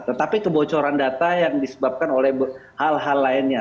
tetapi kebocoran data yang disebabkan oleh hal hal lainnya